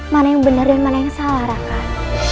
mana yang benar dan mana yang salah rakan